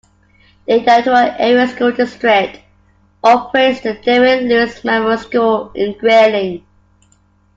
The Iditarod Area School District operates the David Louis Memorial School in Grayling.